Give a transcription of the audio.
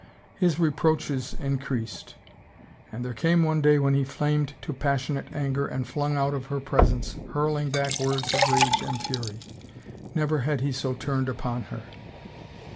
His reproaches increased. And there came one day when he flamed to passionate anger and flung out of her presence, hurling back words of rage and fury. Never had he so turned upon her.